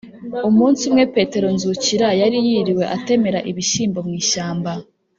umunsi umwe, petero nzukira yari yiriwe atemera ibishyimbo mu ishyamba.